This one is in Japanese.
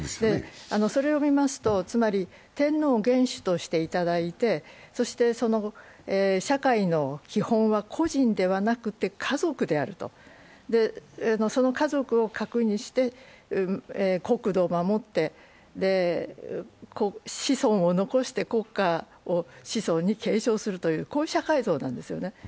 それを見ますと、つまり天皇元首としていただいて、そして社会の基本は個人ではなくて家族であると、その家族を核にして国土を守って、子孫を残して国家を子孫に継承するという社会像なんですよね。